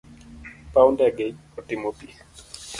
Pau ndege otimo pii